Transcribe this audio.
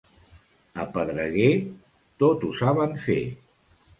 A Pedreguer tot ho saben fer.